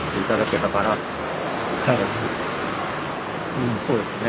うんそうですね